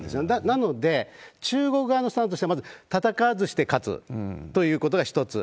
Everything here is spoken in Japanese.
なので、中国側のスタンスとしては、戦わずして勝つということが一つ。